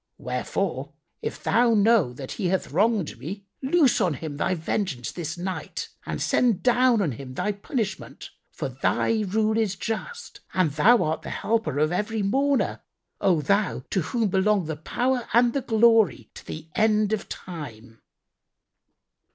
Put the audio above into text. Wherefore, if Thou know that he hath wronged me, loose on him Thy vengeance this night and send down on him Thy punishment; for Thy rule is just and Thou art the Helper of every mourner, O Thou to whom belong the power and the glory to the end of time!"